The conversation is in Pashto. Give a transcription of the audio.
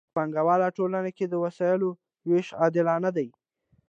په پانګوالو ټولنو کې د وسایلو ویش عادلانه نه دی.